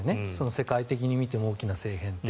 世界的に見ても大きな政変って。